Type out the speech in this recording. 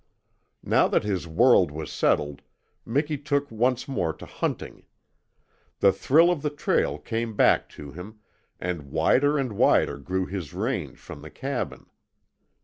Now that his world was settled, Miki took once more to hunting. The thrill of the trail came back to him, and wider and wider grew his range from the cabin.